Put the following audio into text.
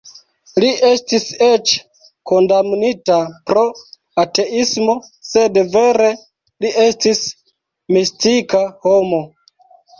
Li estis eĉ "kondamnita pro ateismo", sed vere li estis mistika homo.